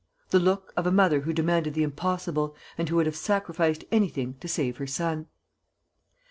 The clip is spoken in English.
The look of a mother who demanded the impossible and who would have sacrificed anything to save her son.